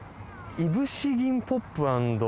「いぶし銀ポップ＆」